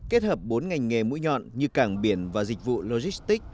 kết hợp bốn ngành nghề mũi nhọn như cảng biển và dịch vụ logistics